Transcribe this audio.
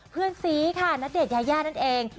เพื่อนซีค่ะณเดชนยายานั่นเอง